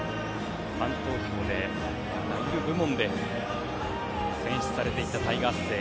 ファン投票であらゆる部門で選出されたタイガース勢。